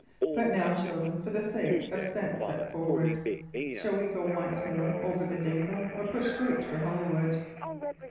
But now, children, for the sake of sense, set forward. Shall we go once more over the dingle, or push straight for Holywood?"